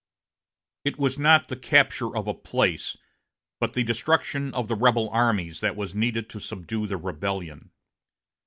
It was not the capture of a place, but the destruction of the rebel armies that was needed to subdue the rebellion.